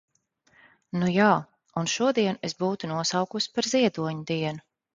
Nujā, un šodienu es būtu nosaukusi par Ziedoņa dienu.